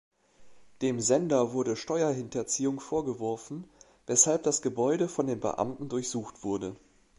Dem Sender wurde Steuerhinterziehung vorgeworfen, weshalb das Gebäude von den Beamten durchsucht wurde.